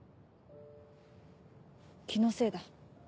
気のせいだ。